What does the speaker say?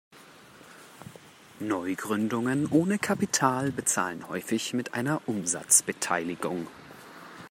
Neugründungen ohne Kapital bezahlen häufig mit einer Umsatzbeteiligung.